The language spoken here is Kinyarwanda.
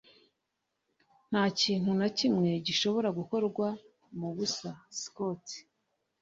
Nta kintu na kimwe gishobora gukorwa mubusa (Scott)